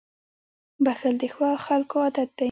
• بښل د ښو خلکو عادت دی.